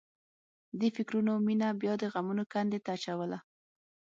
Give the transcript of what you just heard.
دې فکرونو مينه بیا د غمونو کندې ته اچوله